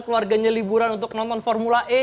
keluarganya liburan untuk nonton formula e